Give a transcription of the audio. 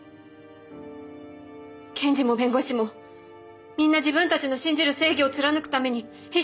検事も弁護士もみんな自分たちの信じる正義を貫くために必死で闘ってるんです！